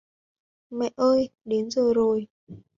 Mẹ ơi đến giờ rồi